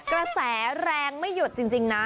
กระแสแรงไม่หยุดจริงนะ